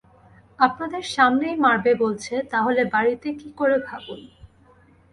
আপনাদের সামনেই মারবে বলছে, তাহলে বাড়িতে কী করে ভাবুন!